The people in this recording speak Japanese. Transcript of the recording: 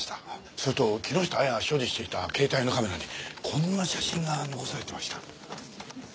それと木下亜矢が所持していた携帯のカメラにこんな写真が残されてました。